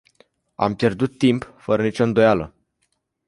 Am pierdut timp, fără nicio îndoială.